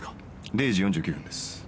０時４９分です。